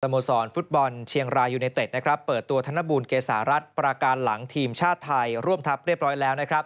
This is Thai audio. สโมสรฟุตบอลเชียงรายยูเนตเต็ดเปิดตัวธนบุญเกษารัฐปราการหลังทีมชาติไทยร่วมทับเรียบร้อยแล้ว